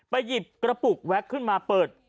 หยิบกระปุกแว็กขึ้นมาเปิด